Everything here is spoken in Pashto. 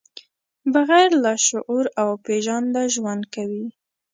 بغیر له شعور او پېژانده ژوند کوي.